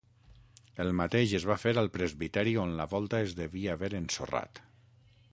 El mateix es va fer al presbiteri on la volta es devia haver ensorrat.